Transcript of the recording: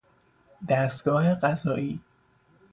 دستگاه قضایی